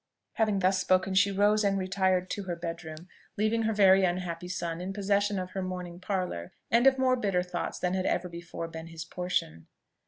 Having thus spoken, she rose and retired to her bed room, leaving her very unhappy son in possession of her "morning parlour," and of more bitter thoughts than had ever before been his portion.